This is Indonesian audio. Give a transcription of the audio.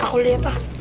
aku liat lah